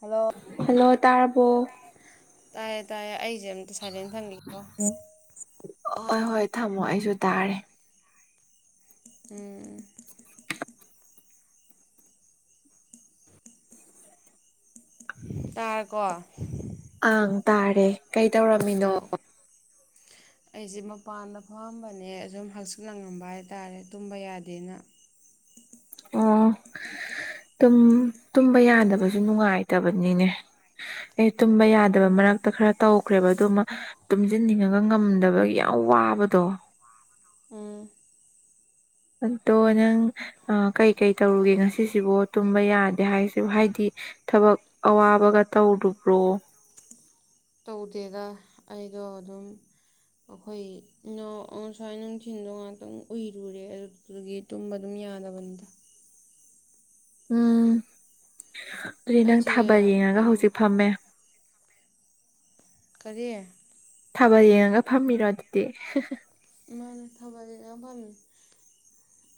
Hello hello ꯇꯥꯔꯕꯣ ꯇꯥꯏꯌꯦ ꯇꯥꯏꯌꯦ ꯑꯩꯁꯦ ꯑꯝꯇ ꯁꯥꯏꯂꯦꯟ ꯊꯝꯒꯦꯀꯣ ꯍꯣꯏ ꯍꯣꯏ ꯊꯝꯃꯣ ꯑꯩꯁꯨ ꯇꯥꯔꯦ ꯎꯝ ꯇꯔꯀꯣ ꯑꯪ ꯇꯥꯔꯦ ꯀꯩ ꯇꯧꯔꯝꯃꯤꯅꯣ ꯑꯩꯁꯦ ꯃꯄꯥꯟꯗ ꯐꯥꯝꯕꯅꯦ ꯑꯁꯨꯝ ꯍꯛꯆꯤꯠ ꯅꯥꯡꯉꯝꯕ ꯍꯥꯏꯇꯥꯔꯦ ꯇꯨꯝꯕ ꯌꯥꯗꯦꯅ [unintelligible] ꯑꯣ ꯇꯨꯝꯕ ꯌꯥꯗꯕꯁꯨ ꯅꯨꯡꯉꯥꯏꯇꯕꯅꯤꯅꯦ ꯑꯦ ꯇꯨꯝꯕ ꯌꯥꯗꯕ ꯎꯝ ꯃꯔꯛꯇ ꯈꯔ ꯇꯧꯈ꯭ꯔꯦꯕ ꯑꯗꯨꯃ ꯇꯨꯝꯁꯤꯟꯅꯤꯡꯉꯒ ꯉꯝꯗꯕꯒꯤ ꯌꯥꯝ ꯋꯥꯕꯗꯣ ꯎꯝ [unintelligible] ꯑꯗꯣ ꯅꯪ ꯀꯩꯀꯩ ꯇꯧꯔꯨꯒꯦ ꯉꯁꯤꯁꯤꯕꯣ ꯇꯨꯝꯕ ꯌꯥꯗꯦ ꯍꯥꯏꯁꯤ ꯍꯥꯏꯗꯤ ꯊꯕꯛ ꯑꯋꯥꯕꯒ ꯇꯧꯨꯕ꯭ꯔꯣ ꯇꯧꯗꯦꯒ ꯑꯩꯗꯣ ꯑꯗꯨꯝ ꯑꯩꯈꯣꯏ ꯁꯨꯃꯥꯏꯅ ꯅꯨꯡꯊꯤꯟꯗ ꯉꯥꯛꯇꯪ ꯎꯏꯔꯨꯔꯦ ꯑꯗꯨꯒꯤꯨꯝ ꯑꯗꯨꯝ ꯌꯥꯌꯥꯗ ꯃꯗ ꯎꯝ ꯑꯗꯨꯗꯤ ꯅꯪ ꯑꯩꯁꯦ ꯊꯥꯕꯜ ꯌꯦꯡꯉꯒ ꯍꯧꯖꯤꯛ ꯐꯝꯃꯦ ꯀꯔꯤ ꯊꯕꯜ ꯌꯦꯡꯉꯒ ꯐꯝꯃꯤꯔꯣ ꯑꯗꯨꯗꯤ ꯃꯥꯥꯟ ꯊꯥꯕ ꯂꯩꯅꯥ ꯐꯥꯝꯃꯤ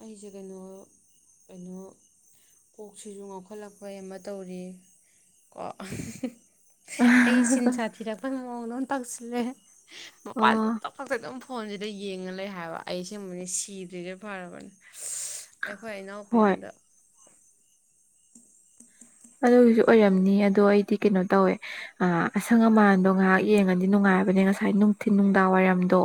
ꯑꯩꯁꯦ ꯀꯩꯅꯣ ꯀꯩꯅꯣ ꯀꯣꯛꯁꯤꯁꯨ ꯉꯥꯎꯈꯠꯂꯛꯄ ꯑꯃ ꯇꯧꯔꯤ ꯀꯣ ꯑꯩ ꯁꯤꯟꯁꯥ ꯊꯤꯔꯛꯄꯒꯤ ꯃꯑꯣꯡꯗ ꯑꯗꯨꯝ ꯇꯛꯁꯤꯜꯂꯦ ꯃꯄꯥꯟ ꯑꯣ ꯇꯛꯄꯁ ꯑꯗꯨꯝ ꯐꯣꯟꯁꯤꯗ ꯌꯦꯡꯉ ꯂꯩ ꯍꯥꯏꯕ ꯑꯩ ꯁꯤꯒꯨꯝꯕꯅꯤ ꯁꯤꯗ꯭ꯔꯤꯁꯩ ꯐꯔꯕꯅꯤ ꯑꯩꯈꯣꯏ ꯏꯅꯥꯎꯄꯤ ꯍꯣꯏ ꯑꯗ ꯑꯗꯨꯒꯤꯁꯨ ꯑꯣꯏꯔꯝꯅꯤ ꯑꯗꯣ ꯑꯩꯗꯤ ꯀꯩꯅꯣ ꯇꯧꯋꯦ ꯑꯁꯪ ꯑꯃꯥꯟꯗꯣ ꯉꯥꯏꯍꯥꯛ ꯌꯦꯡꯉꯗꯤ ꯅꯨꯡꯉꯥꯏ ꯍꯥꯏꯕꯅꯤ ꯉꯁꯥꯏ ꯅꯨꯡꯊꯤꯤꯟ ꯅꯨꯡꯗꯥꯡ ꯋꯥꯏꯔꯝꯗꯣ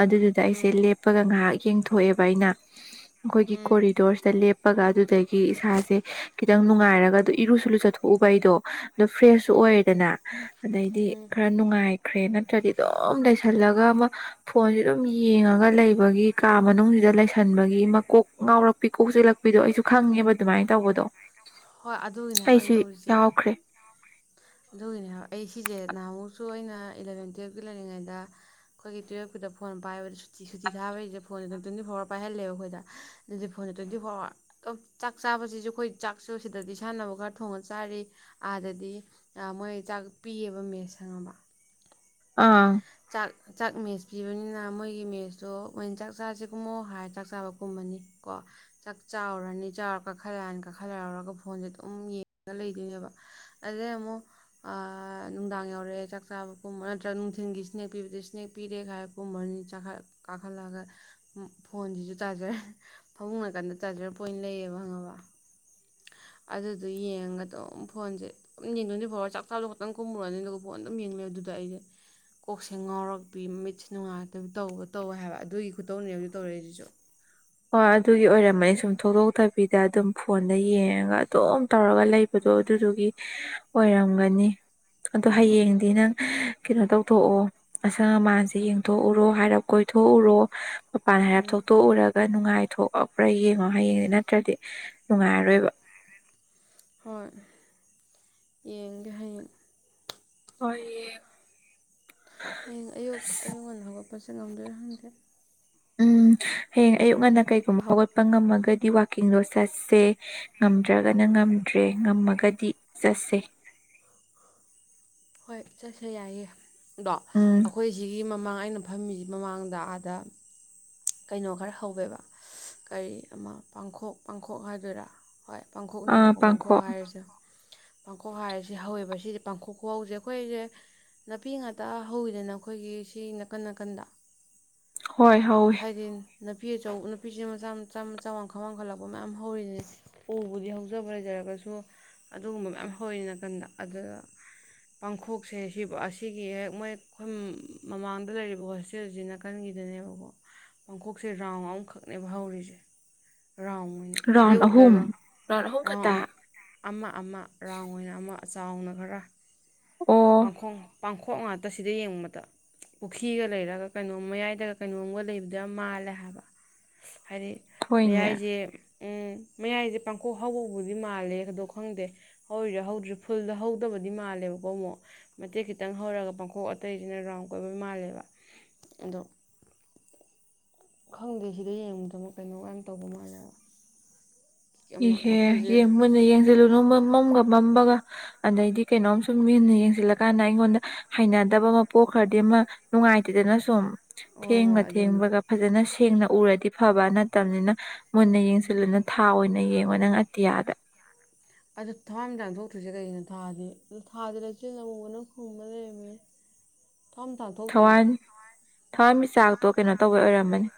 ꯑꯗꯨꯗꯨꯗ ꯑꯩꯁꯦ ꯎꯝ ꯂꯦꯞꯄꯒ ꯉꯥꯏꯍꯥꯛ ꯌꯦꯡꯊꯣꯛꯑꯦꯕ ꯑꯩꯅ ꯑꯩꯈꯣꯏꯒꯤ ꯎꯝ ꯀꯣꯔꯤꯗꯣꯔꯁꯇꯞ ꯀꯞꯄꯒ ꯑꯗꯨꯗꯒꯤ ꯏꯁꯥꯁꯦ ꯈꯤꯇꯪ ꯅꯨꯡꯉꯥꯏꯔꯒ ꯑꯗꯨ ꯏꯔꯨ ꯁꯂꯨ ꯆꯠꯊꯣꯛꯎꯕ ꯑꯩꯗꯣ ꯑꯗꯨꯗ ꯐ꯭ꯔꯦꯁꯁꯨ ꯎꯝ ꯑꯣꯏꯔꯦꯗꯅ ꯑꯗꯩꯗꯤ ꯎꯝ ꯈꯔ ꯅꯨꯡꯉꯥꯏ ꯈ꯭ꯔꯦ ꯅꯠꯇ꯭ꯔꯗꯤ ꯑꯗꯨꯝ ꯂꯩꯁꯜꯂꯒ ꯑꯃ ꯐꯣꯟꯁꯤꯦ ꯑꯗꯨꯝ ꯌꯦꯡꯉꯒ ꯂꯩꯕꯒꯤ ꯀꯥ ꯃꯅꯨꯡꯁꯤ ꯁꯤꯗ ꯂꯩꯁꯟꯕꯒꯤ ꯃꯀꯣꯛ ꯉꯥꯎꯔꯛꯄꯤ ꯀꯣꯛ ꯆꯜꯂꯛꯄꯤꯗꯣ ꯑꯩꯁꯨ ꯈꯪꯉꯦꯕ ꯑꯗꯨꯃꯥꯏꯅ ꯇꯧꯕꯗꯣ ꯍꯣꯏ ꯑꯗꯨꯒꯤꯅꯦ ꯍꯥꯏꯕ ꯑꯩꯁꯨ ꯑꯩꯅ ꯇꯧꯔꯤꯁꯦ ꯌꯥꯎꯈ꯭ꯔꯦ ꯑꯗꯨꯒꯤꯅꯦ ꯍꯥꯏꯕ ꯑꯩ ꯁꯤꯁꯦ ꯅꯍꯃꯨꯛ ꯁꯨ ꯑꯩꯅ ꯏꯂꯕꯦꯟ ꯇꯨꯌꯦꯜꯞꯀꯤ ꯂꯩꯔꯤꯉꯩꯗ ꯑꯩꯈꯣꯏꯒꯤ ꯇꯨꯌꯦꯦꯜꯞꯨꯗ ꯐꯣꯟ ꯄꯥꯏꯕꯗꯨꯤꯨꯤ ꯊꯥꯕꯁꯤꯩꯗ ꯐꯣꯟꯦ ꯇ꯭ꯋꯦꯟꯇꯤ ꯐꯣꯔ ꯑꯋꯥꯔ ꯄꯍꯂꯦꯕ ꯑꯩꯈꯣꯏꯗ ꯑꯗꯨꯗꯤ ꯐꯣꯟ ꯇ꯭ꯋꯦꯟ ꯐꯣꯔ ꯑꯋꯥ ꯆꯥꯛ ꯆꯥꯕꯁꯤꯁꯨ ꯑꯩꯈꯣꯏ ꯆꯥꯛ ꯆꯥꯛꯨ ꯁꯤꯗꯗꯤ ꯁꯥꯟꯅꯕ ꯈꯔ ꯊꯣꯡꯉ ꯆꯥꯔꯤ ꯑꯥꯗꯗꯤ ꯃꯣꯏ ꯆꯥꯛ ꯄꯤꯑꯕ ꯃꯦꯁ ꯇꯃ ꯑꯥ ꯆꯥꯛ ꯃꯦꯁ ꯄꯤꯕꯅꯤꯅ ꯃꯣꯏꯒꯤ ꯃꯦꯁꯇꯣ ꯃꯣꯏꯅ ꯆꯥꯛ ꯆꯥꯁꯦ ꯀꯨꯝꯃꯣ ꯍꯥꯏꯔ ꯆꯥꯛ ꯆꯥꯕ ꯀꯨꯝꯃꯅꯤ ꯀꯣ ꯆꯥꯛ ꯆꯥꯎꯔꯅꯤ ꯆꯥꯎꯔ ꯀꯥꯈꯠꯂꯅꯤ ꯀꯥꯈꯠꯂꯥꯎꯔꯒ ꯐꯣꯟꯁꯦ ꯑꯗꯨꯝ ꯌꯦꯡꯉꯒ ꯂꯩꯗꯣꯏꯅꯦꯕ ꯑꯗꯩ ꯑꯃꯨꯛ ꯅꯨꯡꯗꯥꯡ ꯌꯧꯔꯛꯑꯦ ꯆꯥꯛ ꯆꯥꯕ ꯀꯨꯝꯕꯠꯇ ꯅꯨꯡꯊꯤꯟꯒꯤ ꯏꯁꯅꯦꯛ ꯄꯤꯕꯗ ꯏꯁꯅꯦꯛ ꯄꯤꯔꯦꯒꯥꯏꯔ ꯄꯨꯝꯕꯅꯤ ꯀꯥꯈꯠꯂꯒ ꯐꯣꯟꯁꯤ ꯁꯤꯁꯨ ꯆꯥꯔꯖꯔ ꯐꯃꯨꯡ ꯅꯥꯀꯥꯟꯗ ꯆꯥꯔꯖꯔ ꯄꯣꯏꯟ ꯂꯩꯌꯦꯕ ꯈꯪꯉꯕ [inaudible] ꯑꯗꯨꯗ ꯌꯦꯡꯉꯒ ꯑꯗꯨꯝ ꯐꯣꯟꯁꯦꯝ ꯌꯦꯡꯗꯣꯏꯅꯤ ꯐꯥꯎ ꯆꯥꯛ ꯊꯥꯕꯗꯣ ꯈꯛꯇꯪ ꯀꯨꯝꯃꯨꯔꯅꯤ ꯑꯗꯨꯒ ꯐꯣꯟ ꯑꯗꯨꯝ ꯌꯦꯡꯉꯕ ꯑꯗꯨ ꯑꯗꯣ ꯑꯩꯁꯦ ꯀꯣꯛꯁꯦ ꯉꯥꯎꯔꯛꯄꯤ ꯃꯤꯠꯁ ꯅꯨꯡꯉꯥꯏꯔꯇꯕ ꯇꯧꯕ ꯇꯧꯋꯦ ꯍꯥꯏꯕ ꯑꯗꯨꯒꯤ ꯈꯨꯇꯧꯅꯦ ꯍꯧꯖꯤꯛ ꯇꯧꯔꯛꯏꯁꯤꯁꯨ ꯍꯣꯏ ꯑꯗꯨꯒꯤ ꯑꯣꯏꯔꯝꯃꯅꯤ ꯁꯨꯝ ꯊ ꯊꯣꯛꯗꯣꯛꯇꯕꯤꯗ ꯑꯗꯨꯝ ꯐꯣꯟꯗ ꯌꯦꯡꯉꯒ ꯑꯗꯨꯝ ꯇꯧꯔꯒ ꯂꯩꯕꯗꯣ ꯑꯗꯨꯗꯨꯒꯤ ꯑꯣꯏꯔꯝꯒꯅꯤ ꯑꯗꯣ ꯍꯌꯦꯡꯗꯤ ꯅꯪ ꯀꯩꯅꯣ ꯇꯧꯊꯣꯛꯑꯣ ꯑꯁꯪ ꯑꯃꯥꯟꯁꯦ ꯌꯦꯡꯊꯣꯛꯎꯔꯣ ꯍꯥꯏꯔꯞ ꯀꯣꯏ ꯀꯥꯏꯊꯣꯛꯎꯔꯣ ꯃꯄꯥꯟꯅ ꯍꯥꯏꯔꯞ ꯎꯝ ꯊꯣꯛꯇꯣꯛꯎꯔꯒ ꯅꯨꯡꯉꯥꯏꯊꯣꯛ ꯑꯣ ꯈꯔ ꯌꯦꯡꯉꯣ ꯍꯌꯦꯡꯗꯤ ꯅꯠꯇ꯭ꯔꯗꯤ ꯅꯨꯡꯉꯥꯏꯔꯔꯣꯏꯕ ꯍꯣꯏ ꯌꯦꯡꯒꯦ ꯍꯌꯦꯡ ꯍꯣꯏ ꯍꯌꯦꯡ ꯑꯌꯨꯛ ꯌꯦꯡꯉꯁꯤ꯫ ꯑꯌꯨꯛ ꯉꯟꯅ ꯍꯧꯒꯠꯄꯁꯦ ꯉꯝꯗꯣꯏꯔ ꯈꯪꯗꯦ ꯎꯝ ꯎ ꯍꯌꯦꯡ ꯑꯌꯨꯛ ꯉꯟꯅ ꯀꯩꯒꯨꯝꯕ ꯍꯧꯒꯠꯄ ꯉꯝꯃꯒꯗꯤ ꯋꯥꯋꯥꯛꯀꯤꯡꯗꯣ ꯆꯠꯁꯦ ꯉꯝꯗ꯭ꯔꯒꯅ ꯉꯝꯗ꯭ꯔꯦ ꯉꯝꯃꯒꯗꯤ ꯆꯠꯁꯦ ꯍꯣꯏ ꯆꯠꯁ ꯌꯥꯏꯌꯦ ꯑꯗꯣ ꯎꯝ ꯑꯩꯈꯣꯏꯁꯤꯒꯤ ꯃꯃꯥꯡ ꯑꯩꯅ ꯐꯝꯃꯤꯁꯤ ꯃꯃꯥꯡꯗ ꯑꯥꯗ ꯀꯩꯅꯣ ꯈꯔ ꯍꯧꯋꯦꯕ ꯀꯔꯤ ꯑꯃ ꯄꯥꯡꯈꯣꯛ ꯄꯥꯡꯈꯣꯛ ꯍꯥꯏꯗꯣꯏꯔꯥ ꯍꯣꯏ ꯄꯥꯡꯈꯣꯛꯅꯦꯕꯀꯣ ꯄꯥꯡꯈꯣꯛ ꯍꯥꯏꯔꯤꯁꯦ ꯄꯥꯡꯈꯣꯛ ꯍꯥꯏꯔꯤꯁꯤ ꯍꯧꯋꯦꯕꯁꯤ ꯄꯥꯡꯈꯣꯈ ꯦꯈꯣꯏ ꯍꯖꯦ ꯅꯥꯄꯤ ꯉꯥꯛꯇ ꯍꯧꯋꯤꯗꯅ ꯑꯩꯈꯣꯏꯒꯤ ꯁꯤ ꯅꯥꯀꯟ ꯅꯥꯀꯟꯗ ꯍꯣꯏ ꯍꯋꯦ ꯅꯨꯄꯤ ꯑꯆ ꯅꯨꯄꯤꯁꯤꯦ ꯃꯆꯥ ꯃꯆꯥ ꯃꯆꯥ ꯋꯥꯡꯈꯜ ꯋꯥꯡꯈꯠꯂꯛꯄ ꯃꯌꯥꯝ ꯍꯧꯔꯤꯁꯅꯦ ꯎꯕꯨꯗꯤ ꯍꯧꯖꯕ꯭ꯔ ꯍꯥꯏꯖꯔ ꯁꯨ ꯑꯗꯨꯒꯨꯝꯕ ꯃꯌꯥꯝ ꯍꯧꯋ ꯅꯥꯀꯟꯗ ꯑꯗꯨꯗ ꯄꯥꯡꯊꯣꯛꯁꯦ ꯑꯁꯤꯒꯤ ꯍꯦꯛ ꯃꯣꯏꯈꯣꯏ ꯃꯃꯥꯡꯗ ꯂꯩꯔꯤꯕ ꯍꯣꯁꯇꯦꯜꯁꯤꯅ ꯀꯟꯒꯤ ꯁꯤꯗꯅꯦꯕꯀꯣ ꯄꯥꯡꯈꯣꯛꯁꯦ ꯔꯥꯎꯟ ꯑꯃꯈꯛꯅꯦꯕ ꯍꯧꯔꯤꯁꯦ ꯔꯥꯎꯟ ꯑꯣꯏꯅ ꯔꯥꯎꯟ ꯁꯤꯗꯩ ꯎꯗ ꯑꯍꯨꯝ ꯔꯥꯎ ꯑꯍꯨꯝ ꯈꯛꯇ ꯔꯥꯎꯟ ꯑꯃ ꯑꯃ ꯔꯥꯎꯟ ꯑꯣꯏꯅ ꯑꯃ ꯑ ꯆꯥꯎꯅ ꯑꯣ ꯈꯔꯈꯣꯛ ꯄꯥꯡꯈꯣꯛ ꯉꯥꯛꯇ ꯁꯤꯗ ꯌꯦꯡꯨꯕꯗ ꯄꯨꯈ꯭ꯔꯤꯒ ꯂꯩꯔꯒ ꯀꯩꯅꯣꯝ ꯃꯌꯥꯏꯗꯒ ꯀꯩꯅꯣꯝꯒ ꯂꯩꯕꯗ ꯌꯥꯝ ꯃꯥꯜꯂꯦ ꯍꯥꯏꯕ ꯍꯥꯏꯗꯤ ꯍꯣꯏꯅꯦ ꯃꯌꯥꯏꯁꯦ ꯎꯝ [inaudible] ꯃꯌꯥꯏꯁꯦ ꯄꯥꯡꯈꯣꯛ ꯍꯧꯕꯗꯤ ꯃꯥꯜꯂꯦ ꯍꯥꯏꯗꯣ ꯈꯪꯗꯦ ꯍꯧꯦ ꯍꯧꯗ꯭ꯥ ꯐꯨꯜꯗ ꯍꯧꯗꯕꯗꯤ ꯃꯥꯜꯂꯦꯕꯀꯣ ꯑꯃꯨꯛ ꯃꯇꯦꯛ ꯈꯤꯇꯪ ꯍꯧꯔꯒ ꯄꯥꯡꯈꯣꯛ ꯑꯇꯩꯁꯤꯅ ꯔꯥꯎꯟ ꯀꯣꯏꯕ ꯃꯥꯜꯂꯦꯕ ꯑꯗꯣ [unintelligible] ꯈꯪꯗꯦ ꯁꯤꯗ ꯌꯦꯡꯕꯨꯗꯕ ꯀꯩꯅꯣ ꯀ ꯇꯧꯕ ꯃꯥꯜꯂꯦꯕ ꯑꯃ ꯏꯍꯦ ꯋꯥꯈꯜꯁꯦ ꯌꯦ ꯃꯅꯦ ꯌꯦ ꯜꯂꯨ ꯃꯝꯒ ꯃꯃꯒ ꯑꯗꯩꯗꯤ ꯀꯩꯅꯣꯝ ꯁꯨꯝ ꯃꯤꯅ ꯌꯦꯡꯁꯤꯜꯂꯀꯥꯟꯗ ꯑꯩꯉꯣꯟꯗ ꯍꯥꯏꯅ ꯗꯕ ꯑꯃ ꯄꯣꯛꯈ꯭ꯔꯗꯤ ꯑꯃ ꯅꯨꯡꯉꯥꯏꯇꯦꯗꯅ ꯁꯨꯝ ꯍꯣꯏ ꯊꯦꯡꯕ ꯍꯣꯏ ꯑꯗꯨꯅꯤ ꯊꯦꯡꯕꯒ ꯐꯖꯅ ꯁꯦꯡꯅ ꯎꯔꯗꯤ ꯐꯕ ꯅꯠꯇꯕꯅꯤꯅ ꯃꯨꯟꯅ ꯌꯦꯡꯁꯤꯜꯂꯨꯅ ꯊꯥ ꯑꯣꯏꯅ ꯌꯦꯡꯉꯣ ꯅꯪ ꯑꯇꯤꯌꯥꯗ ꯑꯗ ꯊꯋꯥ ꯑꯃ ꯆꯥꯡꯊꯣꯛꯇ꯭ꯔꯤꯁꯦ ꯀꯩꯒꯤꯅꯣ ꯊꯥꯗꯤ ꯊꯥꯗꯤꯆꯦ ꯅ ꯑꯃꯨꯅꯪ ꯈꯨꯝꯕ ꯂꯩꯔꯝꯃꯦ [inaudible] ꯊꯝ ꯇꯥꯟ ꯊꯣꯛꯣꯛꯇꯦꯕ ꯊꯋꯥꯟ ꯊꯋꯥꯟꯃꯤꯆꯥꯛꯇꯣ ꯀꯩꯅꯣ ꯇꯧꯕꯩ ꯑꯣꯏꯔꯝꯃꯅꯤ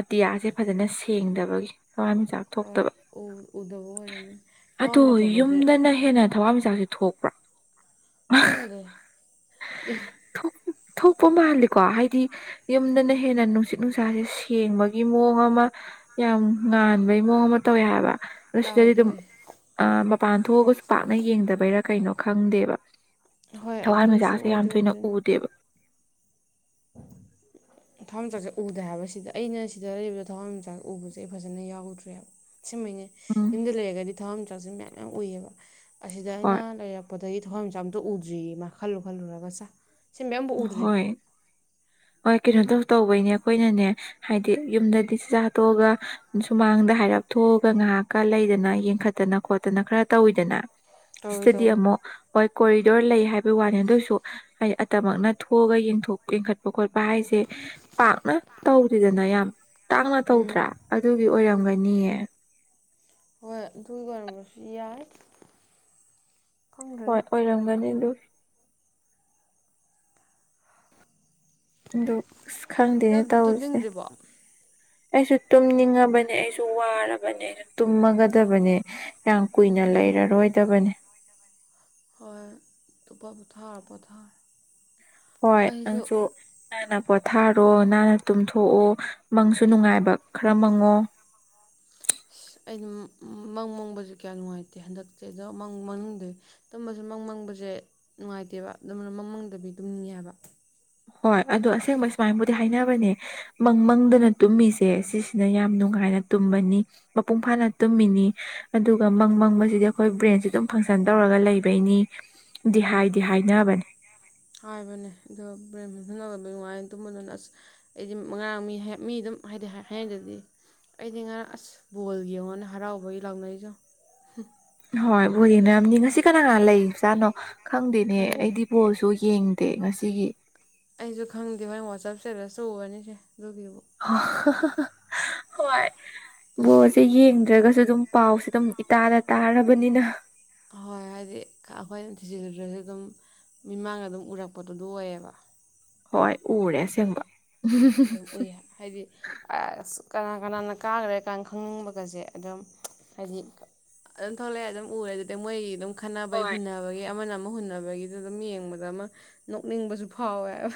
ꯑꯇꯤꯌꯥꯁꯦ ꯐꯖꯅ ꯁꯦꯡꯗꯕꯒꯤ ꯊꯋꯥꯟꯃꯤꯆꯥꯛ ꯍꯣꯏ ꯊꯣꯛꯇꯕ ꯎ ꯎꯗꯕ ꯑꯣꯏꯔꯝꯃꯦ ꯊꯕꯛ ꯑꯗꯣ ꯑꯃ ꯆꯥꯊꯣꯛꯄꯁꯦ ꯌꯨꯝꯗꯅ ꯍꯦꯟꯅ ꯊꯋꯥꯟꯃꯤꯆꯥꯛꯁꯦ ꯊꯣꯛ ꯈꯣꯡꯒꯦ ꯊꯣꯛꯄ ꯃꯥꯜꯂꯤꯀꯣ ꯍꯥꯏꯗꯤ ꯌꯨꯝꯗꯅ ꯍꯦꯟꯅ ꯅꯨꯡꯁꯤꯠ ꯅꯨꯡꯁꯥꯁꯦ ꯁꯦꯡꯕꯒꯤ ꯃꯑꯣꯡ ꯑꯃ ꯌꯥꯝ ꯉꯥꯟꯕꯩ ꯃꯑꯣꯡ ꯑꯃ ꯇꯧꯋꯦ ꯍꯥꯏꯕ ꯑꯗꯣ ꯇꯧꯋꯦ ꯁꯤꯗꯗꯤ ꯑꯗꯨꯝ ꯇꯧꯋꯦ ꯑ ꯃꯄꯥꯟ ꯊꯣꯛꯑꯒꯁꯨ ꯄꯥꯛꯅ ꯌꯦꯡꯗꯕꯩꯔꯥ ꯀꯩꯅꯣ ꯈꯪꯗꯦꯕ ꯍꯣꯏ ꯑꯗꯨ ꯃꯥꯥꯁꯦ ꯌꯥꯝ ꯊꯣꯏꯅ ꯎꯗꯦꯕ [unintelligible] ꯊꯋꯥꯟ ꯃꯆꯥꯛꯁꯦ ꯎꯗ ꯍꯥꯏꯕꯁꯤꯗ ꯑꯩꯅ ꯁꯤꯗ ꯂꯩꯔꯤꯕꯗ ꯊꯋꯥꯟꯃꯤꯆꯥꯛꯁꯦ ꯎꯕꯁꯦ ꯑꯩ ꯐꯖꯅ ꯌꯥꯎꯗ꯭ꯔꯦꯕ ꯁꯤꯃꯅꯦ ꯎꯝ ꯌꯨꯝꯗ ꯂꯩꯔꯒꯗꯤ ꯊꯋꯥ ꯃꯆꯥꯛꯁꯤ ꯃꯌꯥꯝ ꯌꯥꯝ ꯎꯏꯌꯦꯕ ꯑꯁꯤꯗ ꯑꯩꯅ ꯍꯣꯏ ꯂꯩꯔꯛꯄꯗꯒꯤ ꯊꯋꯥꯟ ꯃꯆꯥ ꯑꯝꯇ ꯎꯗ꯭ꯔꯤꯌꯦ ꯃꯥ ꯈꯜꯂꯨ ꯈꯜꯂꯨꯔꯒ ꯆ ꯁꯤ ꯃꯌꯥꯝꯕꯨ ꯎꯗ꯭ꯔꯤ ꯍꯣꯏ ꯍꯣꯏ ꯀꯩꯅꯣ ꯇꯧ ꯇꯧꯕꯩꯅꯦ ꯑꯩꯈꯣꯏꯅꯅꯦ ꯍꯥꯏꯗꯤ ꯌꯨꯝꯗꯗꯤ ꯆꯤꯖꯥꯛꯇꯣꯛꯑꯒ ꯁꯨꯃꯥꯡꯗ ꯍꯥꯏꯔꯛꯄ ꯀꯊꯣꯛꯑꯒ ꯉꯥꯏꯍꯥꯛꯀ ꯂꯩꯗꯅ ꯌꯦꯡꯈꯠꯇꯅ ꯈꯣꯠꯇꯅ ꯈꯔ ꯇꯧꯋꯤꯗꯅ ꯇꯧꯋꯦ ꯏꯁꯇꯗꯤ ꯇꯧꯋꯦ ꯑꯃꯨꯛ ꯍꯣꯏ ꯀꯣꯔꯤꯗꯣꯔ ꯂꯩ ꯍꯥꯏꯕꯒꯤ ꯋꯥꯅꯤ ꯑꯗꯨ ꯑꯣꯏꯁꯨ ꯍꯥꯏ ꯗꯃꯛꯅ ꯊꯣꯛꯑꯒ ꯌꯦꯡꯈꯠꯄ ꯈꯣꯠꯄ ꯍꯥꯏꯁꯦ ꯄꯥꯛꯅ ꯇꯧꯗꯗꯅ ꯌꯥꯝ ꯇꯥꯛꯅ ꯎꯝ ꯇꯧꯗ꯭ꯔꯥ ꯑꯗꯨꯒꯤ ꯎꯝ ꯑꯣꯏꯔꯝꯒꯅꯤꯌꯦ ꯍꯣꯏ ꯑꯗꯨꯒꯤ ꯑꯣꯏꯔꯝꯕꯁꯨ ꯌꯥꯏ ꯍꯣꯏ ꯈꯪꯗ꯭ꯔꯦꯗ ꯑꯣꯏꯔꯝꯒꯅꯤ ꯑꯗꯨ ꯑ ꯑꯁ ꯈꯪꯗꯦꯅꯦ ꯂꯛꯗꯤ ꯇꯧꯎꯔꯤꯁꯦ ꯇꯨꯝꯅꯤꯡꯗ꯭ꯔꯤꯕꯣ ꯑꯩꯁꯨ ꯇꯨꯝꯅꯤꯡꯉꯕꯅꯦ ꯑꯩꯁꯨ ꯋꯥꯔꯕꯅꯦ ꯑꯩꯁꯨ ꯇꯨꯝꯃꯒꯗꯕꯅꯦ ꯌꯥꯝ ꯀꯨꯏꯅ ꯂꯩꯔꯔꯣꯏꯗꯕꯅꯤ ꯍ ꯇꯨꯞꯄ ꯄꯊꯥ ꯄꯊꯥ ꯍꯣꯏ ꯑꯁꯨ ꯄꯣꯊꯥꯔꯣ ꯅꯥꯟꯅ ꯇꯨꯝꯊꯣꯛꯑꯣ ꯃꯪꯁꯨ ꯅꯨꯡꯉꯥꯏꯕ ꯈꯔ ꯃꯪꯉꯣ ꯑꯩꯅ ꯃꯪ ꯃꯪꯕꯁꯦ ꯀꯌꯥ ꯅꯨꯡꯉꯥꯏꯇꯦ ꯍꯟꯗꯛꯇꯤ ꯑꯗꯣ ꯃꯪ ꯃꯪꯗꯦ ꯇꯨꯝꯝꯕꯁꯦ ꯃꯪ ꯃꯪꯕꯁꯦ ꯦ ꯅꯨꯡꯉꯥꯏꯇꯦꯕ ꯑꯗꯨꯅ ꯃꯃꯥꯡꯗꯕꯤ ꯑꯗꯨꯝꯅꯤꯉꯦ ꯍꯥꯏꯕ ꯍꯣꯏ ꯑꯗꯣ ꯑꯁꯦꯡꯕ ꯁꯨꯃꯥꯏꯅꯕꯨꯗꯤ ꯍꯥꯏꯅꯕꯅꯦ ꯃꯪꯗꯅ ꯇꯨꯝꯁꯦ ꯁꯤꯁꯤꯅ ꯌꯥꯝ ꯅꯨꯡꯉꯥꯏꯅ ꯇꯨꯝꯅꯤ ꯃꯄꯨꯡ ꯐꯥꯅ ꯇꯨꯝꯃꯤꯅꯤ ꯑꯗꯨꯒ ꯃꯪ ꯎꯝ ꯃꯪꯕꯁꯤꯗꯤ ꯑꯩꯈꯣꯏ ꯕ꯭ꯔꯦꯟꯁꯦ ꯑꯗꯨꯝ ꯐꯪꯁꯟ ꯇꯧꯔꯒ ꯂꯩꯕꯩꯅꯤ ꯎꯝ ꯍꯥꯏꯕꯅꯦ ꯑꯗꯨ ꯊꯪꯅ ꯅꯨꯡꯉꯥꯏ ꯇꯨꯝꯕꯗꯨꯅ ꯑꯁ ꯑꯩꯗꯤ ꯉꯉꯥꯡ ꯃꯤ ꯃꯤ ꯑꯗꯨꯝ ꯍꯥꯏꯗꯤ ꯍꯌꯦꯡꯗ꯭ꯔꯗꯤ ꯑꯩꯗꯤ ꯉꯔꯥꯡ ꯑꯁ ꯕꯣꯜ ꯌꯦꯡꯉꯣꯅꯦ ꯍꯔꯥꯎꯕꯒꯤ ꯂꯥꯎꯅꯔꯤꯁꯨ ꯍꯣꯏ ꯕꯣ ꯌꯦꯡꯅꯌꯥꯝꯅꯤ ꯉꯁꯤ ꯀꯅꯥ ꯀꯅꯥ ꯂꯩꯖꯥꯠꯅꯣ ꯈꯪꯗꯦꯅꯦ ꯈꯪꯗꯦ ꯑꯩꯗꯤ ꯕꯣꯁꯨ ꯌꯦꯡ ꯇꯦ ꯉꯁꯤꯒꯤ ꯑꯩꯁꯨ ꯈꯪꯗꯦ ꯍꯣꯏ ꯋꯥꯆꯞꯁꯦ ꯔ ꯁ ꯎꯔꯅꯤꯁꯦ ꯑꯗꯨꯒꯤꯕꯨ ꯑꯣ ꯍꯣꯏ ꯕꯣꯁꯦ ꯌꯦꯡꯗ꯭ꯔꯒꯁꯨ ꯑꯗꯨꯝ ꯄꯥꯎꯁꯦ ꯑꯗꯨꯝ ꯏꯇꯥꯗ ꯇꯥꯔꯕꯅꯤꯅ ꯍꯣꯏ ꯍꯥꯏꯗꯤ ꯑꯩꯈꯣꯏꯅ ꯊꯤꯖꯤꯗꯁꯨ ꯑꯗꯨꯝ ꯃꯤꯃꯥꯡꯅ ꯑꯗꯨꯝ ꯎꯔꯛꯄꯗꯨꯗ ꯑꯣꯏꯌꯦꯕ ꯍꯣꯏ ꯎꯔꯦ ꯑꯁꯦꯡꯕ ꯑꯗꯨꯝ ꯎꯏꯌꯦ ꯍꯥꯏꯗꯤ ꯀꯅꯥ ꯀꯅꯥꯅ ꯀꯥꯈ꯭ꯔꯦ ꯀꯥꯏꯅ ꯈꯪꯅꯤꯡꯕꯒꯁꯦ ꯑꯗꯨꯝ ꯍꯥꯏꯗꯤ ꯑꯗꯨꯝ ꯊꯣꯛꯂꯛꯑꯦ ꯑꯗꯨꯝ ꯎꯔꯦ ꯑꯗꯨꯗꯤ ꯃꯣꯏꯒꯤ ꯑꯗꯨꯝ ꯈꯟꯅꯅꯕꯩ ꯍꯣꯏ ꯍꯨꯟꯅꯕꯒꯤ ꯑꯃꯅ ꯑꯃ ꯍꯨꯟꯅꯕꯒꯤꯗꯨ ꯑꯗꯨꯝ ꯌꯦꯡꯕꯗ ꯑꯃ ꯅꯣꯛꯅꯤꯡꯕꯁꯨ ꯐꯥꯎꯋꯦꯕ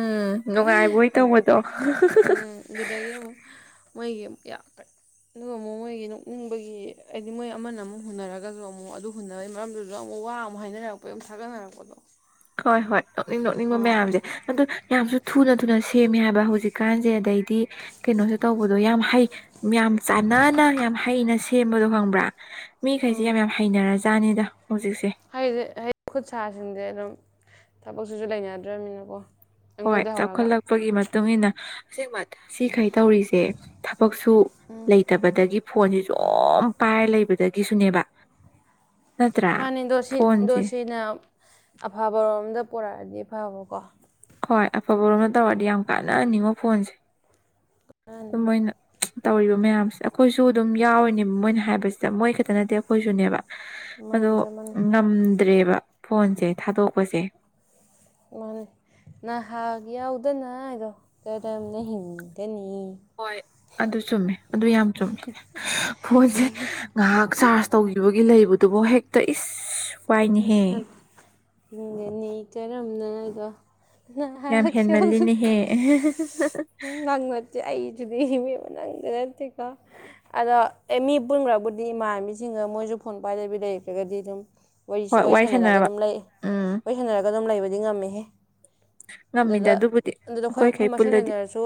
ꯎꯝ ꯅꯨꯡꯉꯥꯏꯕꯣꯏ ꯇꯧꯕꯗꯣ ꯎꯝ ꯑꯗꯨꯗꯗꯒꯤ ꯃꯣꯏꯒꯤ ꯌꯥ ꯑꯗꯨꯒ ꯑꯃꯨꯛ ꯃꯣꯏꯒꯤ ꯅꯣꯛꯅꯤꯡꯕꯒꯤ ꯍꯥꯏꯗꯤ ꯃꯣꯏ ꯑꯃꯅ ꯑꯃꯨꯛ ꯍꯨꯟꯅꯔꯒꯁꯨ ꯑꯃꯨꯛ ꯑꯗꯨ ꯍꯨꯟꯅꯕꯩ ꯃꯔꯝꯗꯨꯁꯨ ꯑꯃꯨꯛ ꯋꯥ ꯑꯃ ꯍꯥꯏꯅꯔꯛꯄ ꯑꯗꯨꯝ ꯊꯥꯒꯠꯅꯔꯛꯄꯗꯣ ꯍꯣꯏ ꯍꯣꯏ ꯅꯣꯛꯅꯤꯡ ꯅꯣꯛꯅꯤꯡꯕ ꯑꯃ ꯃꯌꯥꯝꯁꯦ ꯑꯗꯨꯣ ꯌꯥꯝꯁꯨ ꯊꯨꯅ ꯊꯨꯅ ꯁꯦꯝꯃꯦ ꯍꯥꯏꯕ ꯍꯧꯖꯤꯛꯀꯥꯟꯁꯦ ꯑꯗꯩꯗꯤ ꯀꯩꯅꯣꯁꯨ ꯇꯧꯕꯗꯣ ꯌꯥꯝ ꯍꯩ ꯌꯥꯝ ꯆꯥꯟꯅꯅ ꯌꯥꯝ ꯍꯩꯅꯩꯅ ꯁꯦꯝꯕꯗꯣ ꯈꯪꯕ꯭ꯔꯥ ꯃꯤꯈꯩꯁꯤꯦ ꯌꯥꯝ ꯌꯥꯝ ꯍꯩꯅꯔ ꯖꯥꯠꯅꯤꯗ ꯍꯗꯤꯗꯤ ꯈꯨꯠ ꯁꯥꯁꯤꯡꯁꯦ ꯑꯗꯨꯝ ꯊꯕꯛꯁꯤꯁꯨ ꯂꯩꯅꯗ꯭ꯔꯃꯤꯅꯀꯣ ꯍꯣꯏ ꯆꯥꯎꯈꯠꯂꯛꯄꯒꯤ ꯃꯇꯨꯡ ꯃꯇꯨꯡꯏꯟꯅ ꯁꯤꯈꯩ ꯇꯧꯔꯤꯁꯦ ꯊꯕꯛꯁꯨ ꯂꯩꯇꯕꯗꯒꯤ ꯐꯣꯟꯁꯤꯁꯨ ꯄꯥꯏꯔ ꯂꯩꯕꯗꯒꯤꯁꯨꯅꯦꯕ ꯅꯠꯇ꯭ꯔꯥ ꯃꯥꯅꯦ ꯑꯗꯣ ꯁꯤ ꯑꯗꯣ ꯐꯣꯟꯁꯦ ꯁꯤꯅ ꯑꯐꯕꯔꯣꯝꯗ ꯄꯨꯣꯔꯛꯑꯗꯤ ꯐꯕꯀꯣ ꯍꯣꯏ ꯑꯐꯕꯔꯣꯝꯅ ꯇꯧꯔꯗꯤ ꯌꯥꯝ ꯀꯥꯟꯅꯍꯟꯅꯤꯡꯉꯣ ꯐꯣꯟꯁꯦ ꯃꯥꯅꯤ ꯑꯗꯨꯝ ꯃꯣꯏꯅ ꯇꯧꯔꯤꯕ ꯃꯌꯥꯝꯁꯦ ꯑꯩꯈꯣꯏꯁꯨ ꯑꯗꯨꯝ ꯌꯥꯎꯔꯤꯅꯦꯕ ꯃꯣꯏꯅ ꯍꯥꯏꯕꯁꯤꯗ ꯃꯣꯏ ꯈꯛꯇ ꯅꯠꯇꯦ ꯑꯩꯈꯣꯏꯁꯨꯅꯦꯕ ꯑꯗꯣ ꯃꯥꯅꯤ ꯆꯞ ꯃꯥꯅꯤ ꯉꯝꯗ꯭ꯔꯦꯕ ꯐꯣꯟꯁꯦ ꯊꯥꯗꯣꯛꯄꯁꯦ ꯃꯥꯅꯦ ꯅꯍꯥ ꯌꯥꯎꯗꯅ ꯍꯥꯏꯗꯣ ꯀꯔꯝꯅ ꯍꯤꯡꯒꯅꯤ ꯍꯣꯏ ꯑꯗꯨ ꯆꯨꯝꯃꯦ ꯑꯗꯨ ꯌꯥꯝ ꯆꯨꯝꯃꯦ ꯐꯣꯟꯁꯦ ꯉꯥꯏꯍꯥꯛ ꯆꯥꯔꯖ ꯇꯧꯒ ꯕꯒꯤ ꯂꯩꯕꯗꯨꯕꯨ ꯍꯦꯛꯇ ꯏꯁ ꯋꯥꯏꯅꯦꯍꯦ ꯑꯩꯁ ꯍꯤꯡꯒꯅꯤ ꯀꯔꯝꯅꯒ ꯌꯥꯝ ꯍꯦꯟꯃꯜꯂꯤꯅꯦꯍꯦ ꯎ ꯉꯪꯉꯠꯇꯦ ꯑꯩ ꯁꯤꯗꯤ ꯃꯤ ꯑꯃ ꯅꯪꯗꯤ ꯅꯠꯇꯦꯀꯣ ꯑꯗꯣ ꯑꯦ ꯃꯤ ꯄꯨꯟꯈ꯭ꯔꯕꯨꯗꯤ ꯏꯃꯥꯟꯅꯕꯤꯁꯤꯡꯒ ꯃꯣꯏꯁꯨ ꯐꯣꯟ ꯄꯥꯏ ꯂꯩꯕꯤ ꯂꯩꯏꯒꯗꯤ ꯑꯗꯨꯝ ꯍꯣꯏ ꯋꯥꯔꯤ ꯁꯥꯟꯅꯔꯒ ꯁꯥꯟꯅꯔꯕ ꯑꯗꯨꯝ ꯂꯩ ꯎꯝ ꯋꯥꯔꯤ ꯁꯅꯔꯒ ꯑꯗꯨꯝ ꯂꯩꯕꯗꯤ ꯉꯝꯃꯦꯍꯦ ꯉꯝꯗ ꯑꯗꯨꯗ ꯑꯗꯨꯗꯨꯕꯨꯗꯤ ꯑꯗꯨꯗ ꯑꯩꯈꯣꯏ ꯑꯩꯈꯣꯏ ꯃꯁꯦꯜ ꯂꯩꯅꯔꯁꯨ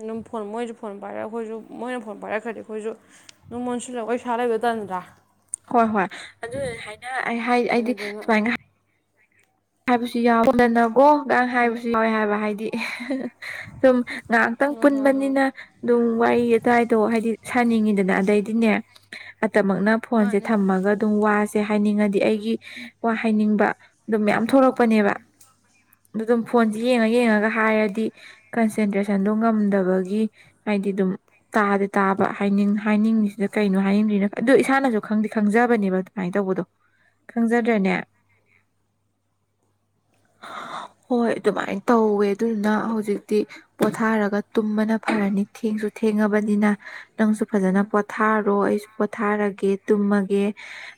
ꯑꯗꯨꯝ ꯐꯣꯟ ꯃꯣꯏꯁꯨ ꯐꯣꯟ ꯄꯥꯏꯔꯒ ꯑꯩꯈꯣꯏꯁꯨ ꯃꯣꯏꯅ ꯐꯣꯟ ꯄꯥꯏꯔꯛꯈ꯭ꯔꯗꯤ ꯑꯩꯈꯣꯏꯁꯨ ꯅꯨꯡꯉꯣꯟꯁꯨꯂ ꯋꯥꯔꯤ ꯏꯁꯥ ꯂꯩꯕ ꯇꯅꯤꯗ꯭ꯔꯥ ꯍꯣꯏ ꯍꯣꯏ ꯑꯗꯨ ꯍꯥꯏꯅ ꯑꯩ ꯍꯥꯏ ꯑꯩꯗꯤ ꯑꯗꯨꯗꯨꯅ ꯁꯨꯃꯥꯏꯅ ꯍꯥꯏꯕꯁꯨ ꯌꯥꯎꯋꯦꯗꯅꯀꯣ ꯥꯡ ꯍꯥꯏꯕꯁꯨ ꯌꯥꯎꯋꯦ ꯍꯥꯏꯕ ꯍꯥꯏꯗꯤ ꯁꯨꯝ ꯉꯥꯏꯍꯥꯛꯇꯪ ꯍꯣꯏ ꯍꯣꯏ ꯍꯣꯏ ꯄꯨꯟꯕꯅꯤꯅ ꯑꯗꯨꯝ ꯋꯥꯔꯤ ꯑꯇꯥꯏꯏꯗꯣ ꯍꯥꯏꯗꯤ ꯁꯥꯅꯤꯡꯉꯤꯗꯅ ꯑꯗꯩꯗꯤꯅꯦ ꯗꯃꯛꯅ ꯐꯣꯟꯁꯦ ꯃꯥꯅꯦ ꯃꯥꯅꯦ ꯊꯝꯃꯒ ꯑꯗꯨꯝ ꯋꯥꯁꯦ ꯍꯥꯏꯅꯤꯡꯉꯗꯤ ꯑꯩꯒꯤ ꯋꯥ ꯍꯥꯏꯅꯤꯡꯕ ꯑꯗꯨꯝ ꯃꯌꯥꯝ ꯊꯣꯔꯛꯄꯅꯦꯕ ꯑꯗꯨ ꯑꯗꯨꯝ ꯐꯣꯟꯁꯦ ꯌꯦꯡꯉ ꯌꯦꯡꯉꯒ ꯍꯥꯏꯔꯗꯤ ꯀꯟꯁꯦꯟꯇ꯭ꯔꯦꯁꯟꯗꯣ ꯉꯝꯗꯕꯒꯤ ꯍꯥꯏꯗꯤ ꯑꯗꯨꯝ ꯇꯥꯗꯦ ꯇꯥꯕ ꯍꯥꯏ ꯍꯥꯏꯅꯤꯡ ꯍꯥꯏꯅꯤꯡꯉꯤꯁꯤꯗ ꯀꯩꯅꯣ ꯍꯥꯏꯅꯤꯡꯗ꯭ꯔꯤꯅꯣ ꯑꯗꯨꯣ ꯏꯁꯥꯅꯁꯨ ꯈꯪꯗꯤ ꯈꯪꯖꯕꯅꯦꯕ ꯑꯗꯨꯃꯥꯏꯅ ꯇꯧꯕꯗꯣ ꯈꯪꯖꯗ꯭ꯔꯦꯅꯦ ꯑ ꯍꯣꯏ ꯑꯗꯨꯃꯥꯏꯅ ꯇꯧꯋꯦ ꯑꯗꯨꯗꯨꯅ ꯍꯧꯖꯤꯛꯇꯤ ꯄꯣꯊꯥꯔꯒ ꯇꯨꯝꯕꯅ ꯐꯔꯅꯤ ꯊꯦꯡꯁꯨ ꯊꯦꯡꯉꯕꯅꯤꯅ ꯅꯪ ꯐꯖ ꯄꯣꯊꯔ ꯄꯣꯊꯥꯔꯒꯦ ꯇꯨꯝꯃꯒꯦ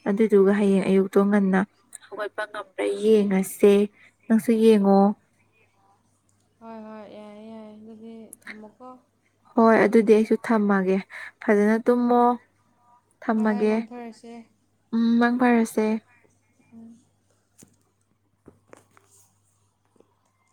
ꯑꯗꯨꯗꯨꯒ ꯍꯌꯦꯡ ꯑꯌꯨꯛꯇꯣ ꯉꯟꯅ ꯍꯧꯒꯠꯄ ꯑꯩ ꯌꯦꯡꯉꯁꯦ ꯅꯪꯁꯨ ꯌꯦꯡꯉꯣ ꯍꯣꯏ ꯍꯣꯏ ꯌꯥꯏ ꯌꯥꯏꯦ ꯑꯗꯨꯗꯤ ꯊꯝꯃꯣꯀꯣ ꯍꯣꯏ ꯑꯗꯨꯗꯤ ꯑꯩꯁꯨ ꯊꯝꯃꯒꯦ ꯐꯖꯅ ꯇꯨꯝꯃꯣ ꯍꯣꯏ ꯍꯣꯏ ꯊꯝꯃꯒꯦ ꯃꯡ ꯐꯔꯁꯦ ꯎꯝ ꯃꯥꯛꯚꯔꯁꯦ ꯎꯝ